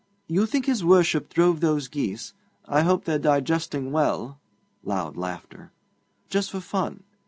You think his Worship drove those geese I hope they're digesting well (loud laughter) just for fun.